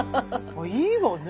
あいいわね。